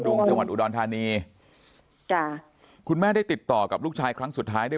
จังหวัดอุดรธานีจ้ะคุณแม่ได้ติดต่อกับลูกชายครั้งสุดท้ายด้วย